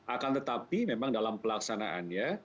akan tetapi memang dalam pelaksanaannya